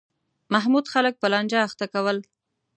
محمود خلک په لانجه اخته کول.